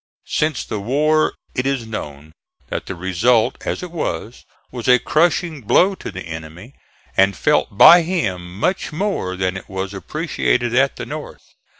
Since the war it is known that the result, as it was, was a crushing blow to the enemy, and felt by him much more than it was appreciated at the North.